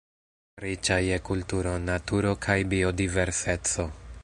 Riĉa je kulturo, naturo kaj biodiverseco.